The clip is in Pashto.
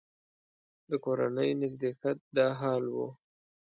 د کورني نږدېکت دا حال و.